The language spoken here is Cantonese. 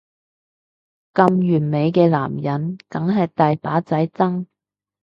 咁完美嘅男人梗係大把仔爭